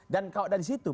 dan kalau dari situ